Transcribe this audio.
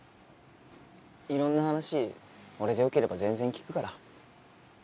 いろんな話俺でよければ全然聞くから。